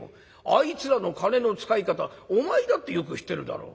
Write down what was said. あいつらの金の使い方お前だってよく知ってるだろ。